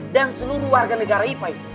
dan seluruh warga negara ipa